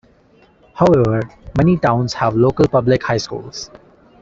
However, many towns have local public high schools.